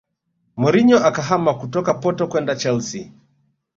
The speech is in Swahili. Mourinho akahama kutoka porto kwenda Chelsea